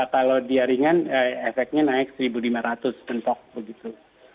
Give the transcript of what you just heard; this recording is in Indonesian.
kalau dia ringan efeknya naik satu lima ratus pentok begitu